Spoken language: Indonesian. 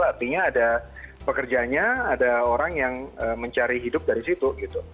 artinya ada pekerjanya ada orang yang mencari hidup dari situ gitu